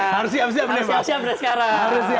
harus siap siap deh sekarang